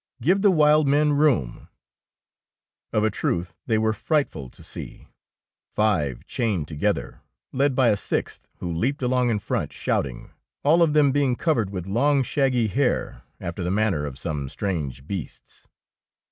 Give the wild men room !" Of a truth they were frightful to see, — five chained together, led by a sixth who leaped along in front shouting, all of them being covered with long shaggy hair after the manner of some strange beasts.